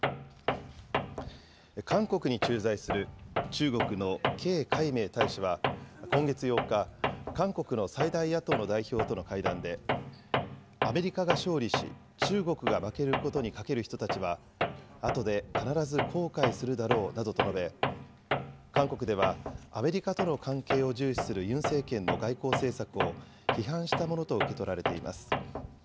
韓国に駐在する中国のケイ海明大使は、今月８日、韓国の最大野党の代表との会談で、アメリカが勝利し、中国が負けることに賭ける人たちは、あとで必ず後悔するだろうなどと述べ、韓国ではアメリカとの関係を重視するユン政権の外交政策を批判したものと受け取られています。